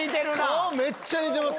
顔めっちゃ似てます！